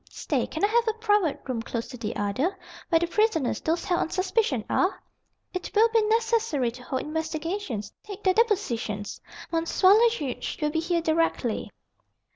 Stay, can I have a private room close to the other where the prisoners, those held on suspicion, are? It will be necessary to hold investigations, take their depositions. M. le Juge will be here directly."